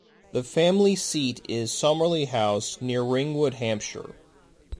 The family seat is Somerley House, near Ringwood, Hampshire.